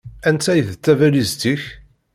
Anta i d tabalizt-ik?